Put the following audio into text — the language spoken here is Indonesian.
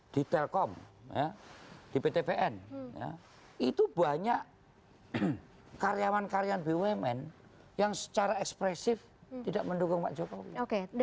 di telkom di pt pn itu banyak karyawan karyawan bumn yang secara ekspresif tidak mendukung pak jokowi